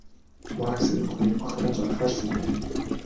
Макс энэ бүхнийг огтхон ч анхаарсангүй.